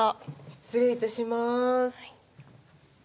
失礼いたします。